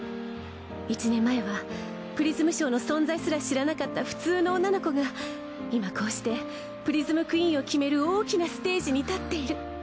一年前はプリズムショーの存在すら知らなかった普通の女の子が今こうしてプリズムクイーンを決める大きなステージに立っている。